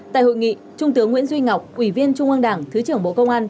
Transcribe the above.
tại hội nghị trung tướng nguyễn duy ngọc ủy viên trung ương đảng thứ trưởng bộ công an